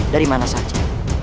dari mana saja